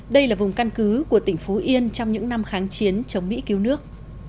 đây là vùng căn cứ của tỉnh phú yên trong những năm kháng chiến chống mỹ cứu nước